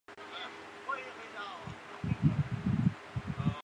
早年在斯坦福大学取得博士学位。